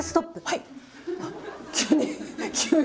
はい。